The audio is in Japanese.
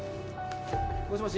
もしもし。